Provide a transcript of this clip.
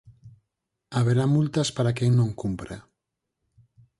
Haberá multas para quen non cumpra.